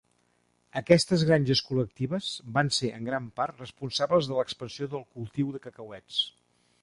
Aquestes granges col·lectives van ser en gran part responsables de l'expansió del cultiu de cacauets.